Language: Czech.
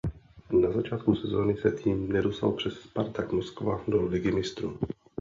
Na začátku sezóny se tým nedostal přes Spartak Moskva do Ligy mistrů.